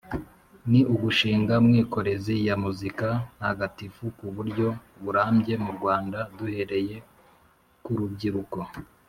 ni ugushinga mwikorezi ya Muzika Ntagatifu ku buryo burambye mu Rwanda duhereye ku rubyiruko